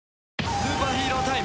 スーパーヒーロータイム。